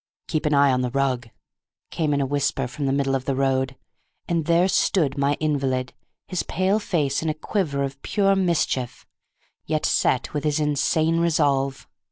"Keep an eye on the rug," came in a whisper from the middle of the road; and there stood my invalid, his pale face in a quiver of pure mischief, yet set with his insane resolve.